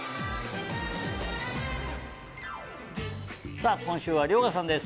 さぁ今週は遼河さんです。